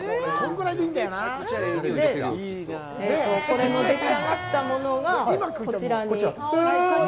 これのでき上がったものがこちらに。